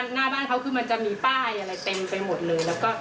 หน้าบ้านเขาคือมันจะมีป้ายอะไรเต็มไปหมดเลยแล้วก็